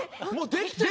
できてる？